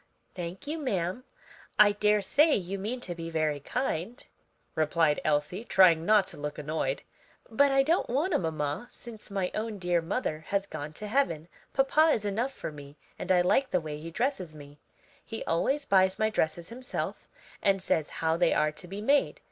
"Thank you, ma'am, I daresay you mean to be very kind," replied Elsie, trying not to look annoyed, "but I don't want a mamma, since my own dear mother has gone to heaven; papa is enough for me, and I like the way he dresses me. He always buys my dresses himself and says how they are to be made.